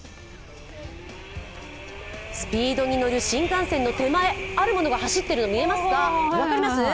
スピードに乗る新幹線の手前、あるものが走っているの見えますか？